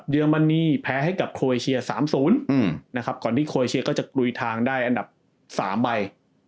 เยอร์มันนีแพ้ให้กับโคเวเชีย๓๐ก่อนที่โคเวเชียก็จะกลุ่ยทางได้อันดับ๓ใบ